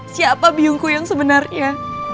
siapa biungku yang sebenarnya